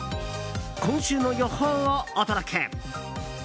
今週の予報をお届け！